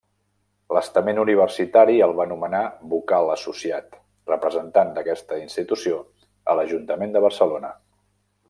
L'estament universitari el va nomenar Vocal Associat representant d'aquesta institució a l'Ajuntament de Barcelona.